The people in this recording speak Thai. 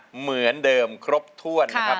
เหมือนเดิมครบถ้วน